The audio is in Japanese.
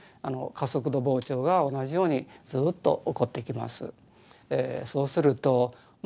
加速度膨張が同じようにずっと起こってきます。